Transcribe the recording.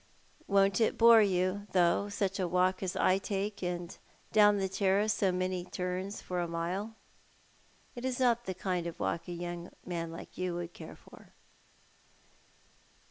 " Won't it bore you, though, such a walk as I take, up and down the terrace, so many turns for a mile? It is not the kind of walk a young man like you would care for."